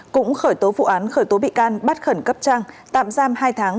cũng khởi tố vụ án khởi tố bị can bắt khẩn cấp trang tạm giam hai tháng